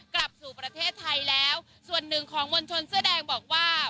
กลับสู่ประเทศไทยแล้วส่วนหนึ่งของมวลชนเสื้อแดงบอกว่า